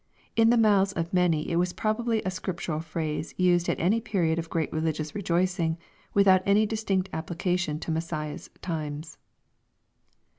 In the mouths of many it was probably a scriptural phrase used at any period of great religious rejoicing, without any distinct application to Messiah's times.